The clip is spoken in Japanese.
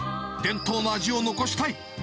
伝統の味を残したい。